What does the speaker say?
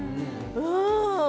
うん。